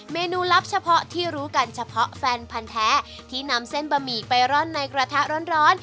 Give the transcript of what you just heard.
เมนูลับเฉพาะที่รู้กันเฉพาะแฟนพันธ์แท้ที่นำเส้นบะหมี่ไปร่อนในกระทะร้อน